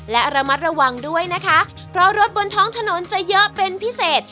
และระมัดระวังด้วยนะคะเพราะรถบนท้องถนนจะเยอะเป็นพิเศษ